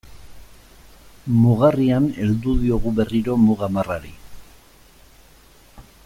Mugarrian heldu diogu berriro muga marrari.